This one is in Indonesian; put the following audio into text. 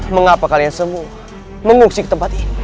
mengapa kalian semua mengungsi ke tempat ini